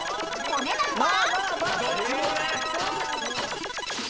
［お値段は？］